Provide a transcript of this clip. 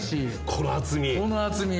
この厚み。